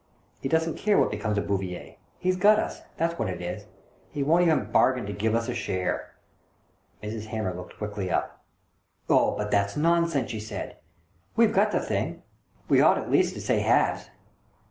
He doesn't care what becomes of Bouvier. He's got us, that's what it is. He won't even bargain to give us a share." Mrs. Hamer looked quickly up. " Oh, but that's nonsense!" she said. "We've got the thing. We ought at least to say halves."